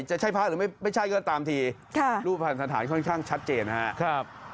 จะใช่ภาคหรือไม่ใช่ก็ตามทีรูปภัณฑ์สันธารณ์ค่อนข้างชัดเจนนะฮะ